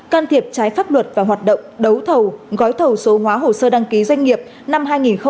can thiệp trái pháp luật và hoạt động đấu thầu gói thầu số hóa hồ sơ đăng ký doanh nghiệp năm hai nghìn một mươi chín